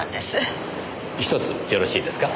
１つよろしいですか？